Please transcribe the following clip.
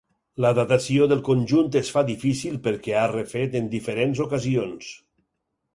La datació del conjunt es fa difícil perquè ha refet en diferents ocasions.